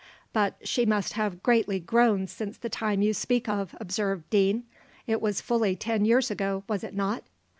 "But she must have greatly grown since the time you speak of," observed Deane: "it was fully ten years ago, was it not?"